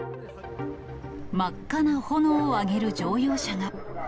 真っ赤な炎を上げる乗用車が。